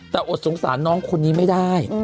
แต่อดสงสารน้องคนนี้ไม่ได้